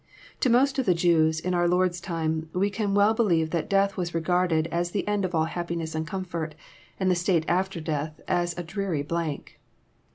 To most of the Jews, in our Lord's time, we can well believe that death was regarded as the end of all happiness and comfort, and the state after death as a dreary blank.